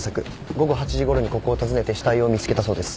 午後８時ごろにここを訪ねて死体を見つけたそうです。